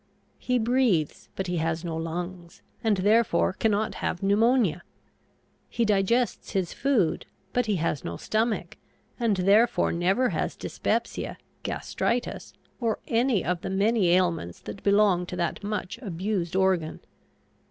He breathes but he has no lungs, and therefore cannot have pneumonia. He digests his food, but he has no stomach, and therefore never has dyspepsia, gastritis, or any of the many ailments that belong to that much abused organ.